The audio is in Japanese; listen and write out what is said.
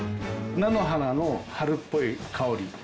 菜の花の春っぽい香り。